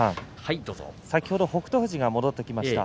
先ほど北勝富士が戻ってきました。